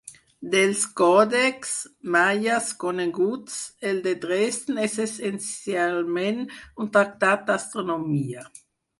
Dels còdexs maies coneguts, el de Dresden és essencialment un tractat d'astronomia.